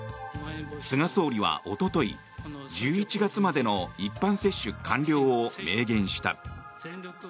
菅総理はおととい、１１月までの一般接種完了を明言した。